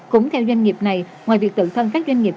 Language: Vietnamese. cũng theo doanh nghiệp này ngoài việc tự thân các doanh nghiệp